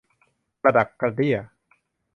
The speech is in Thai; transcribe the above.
กระดักกระเดี้ย